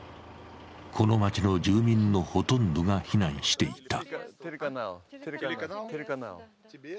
この街の住民のほとんどが避難していた。